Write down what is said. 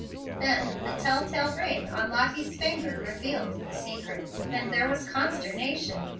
Then the telltale ring on Lottie's finger revealed the secret, and there was consternation.